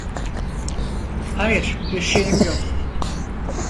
Hayır, bir şeyim yok.